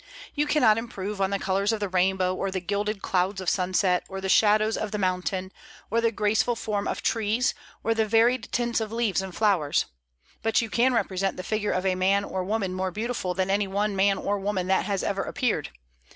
You cannot improve on the colors of the rainbow, or the gilded clouds of sunset, or the shadows of the mountain, or the graceful form of trees, or the varied tints of leaves and flowers; but you can represent the figure of a man or woman more beautiful than any one man or woman that has ever appeared.